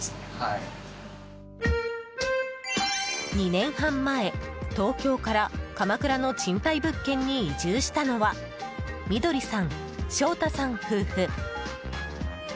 ２年半前、東京から鎌倉の賃貸物件に移住したのは翠さん、章太さん夫婦。